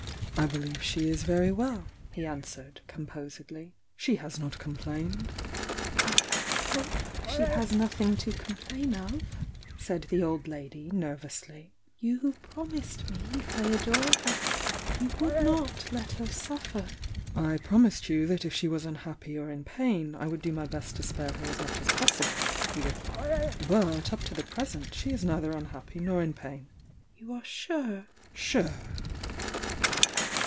"I believe she is very well," he answered, com posedly. "She has not oomplained." "I hope she has nothing to complain of,"^ said the old lady, nervously. "You promised me, Feodor, that you would not let her suffer." "I promised you that if she was unhappy or in pain, I would do my best to spare her as much as possible," he replied. "But, up to the present, she is neither unhappy nor in pain." "You are sure?" "Sure!"